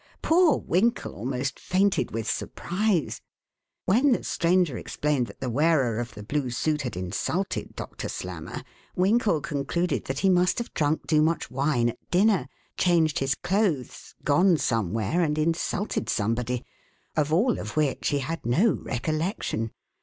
Poor Winkle almost fainted with surprise. When the stranger explained that the wearer of the blue suit had insulted Doctor Slammer, Winkle concluded that he must have drunk too much wine at dinner, changed his clothes, gone somewhere, and insulted somebody of all of which he had no recollection.